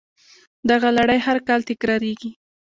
دغه لړۍ هر کال تکراریږي